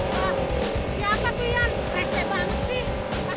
siapa tuh yang rese banget sih